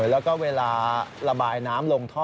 แล้วก็เวลาระบายน้ำลงท่อ